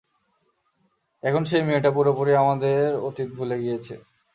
এখন সেই মেয়েটা পুরোপুরি আমাদের অতীত ভুলে গিয়েছে।